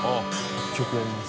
「１曲やります」